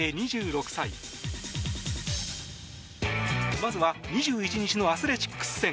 まずは２１日のアスレチックス戦。